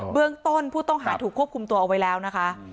เบื้องต้นผู้ต้องหาถูกควบคุมตัวเอาไว้แล้วนะคะ